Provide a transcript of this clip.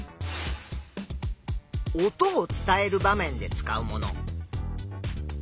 「音を伝える場面で使うもの」。